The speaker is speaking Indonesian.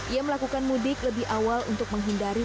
ia melakukan mudik lebih awal untuk menghindari